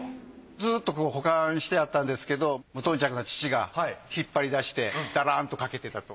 ずっと保管してあったんですけど無頓着な父が引っ張り出してダラーンとかけてたと。